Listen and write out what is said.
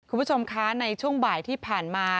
คุณผู้ชมคะในช่วงบ่ายที่ผ่านมา